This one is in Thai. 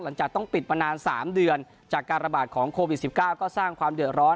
หลังจากต้องปิดมานาน๓เดือนจากการระบาดของโควิด๑๙ก็สร้างความเดือดร้อน